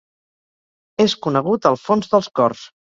És conegut al fons dels cors.